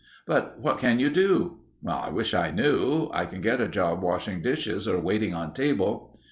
"But what can you do?" "I wish I knew. I can get a job washing dishes or waiting on table."